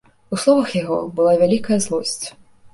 У словах яго была вялікая злосць.